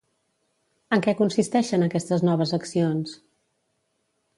En què consisteixen aquestes noves accions?